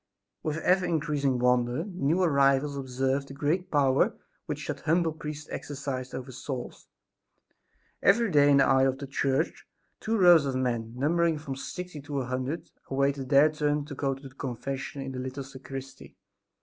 With ever increasing wonder the new arrivals observed the great power which that humble priest exercised over souls. Every day in the aisle of the church two rows of men, numbering from sixty to a hundred, awaited their turn to go to confession in the little sacristy.